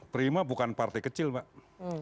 prima bukan partai kecil mbak hmm gitu